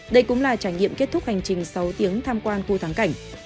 đây cũng là trải nghiệm kết thúc hành trình sáu tiếng tham quan khu thắng cảnh